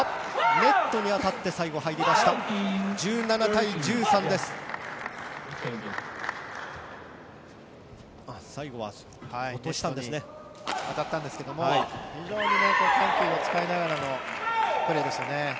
ネットに当たったんですけど非常に緩急を使いながらのプレーでしたね。